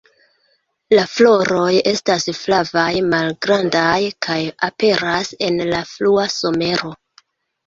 La floroj estas flavaj, malgrandaj kaj aperas en la frua somero.